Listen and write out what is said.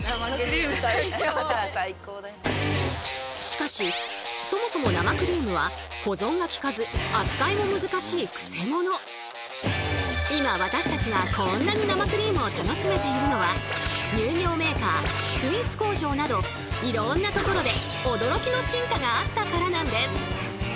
しかしそもそも生クリームは今私たちがこんなに生クリームを楽しめているのは乳業メーカースイーツ工場などいろんなところで驚きの進化があったからなんです。